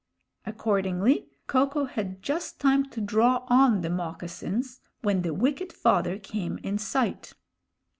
Accordingly, Ko ko had just time to draw on the moccasins when the wicked father came in sight.